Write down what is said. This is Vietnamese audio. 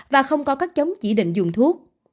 và không có các chống chỉ định dùng thuốc